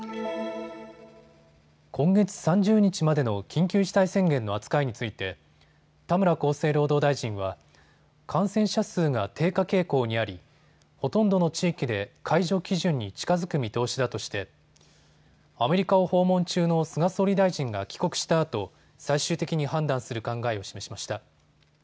今月３０日までの緊急事態宣言の扱いについて田村厚生労働大臣は感染者数が低下傾向にありほとんどの地域で解除基準に近づく見通しだとしてアメリカを訪問中の菅総理大臣が帰国したあと最終的に判断する考えを示しました。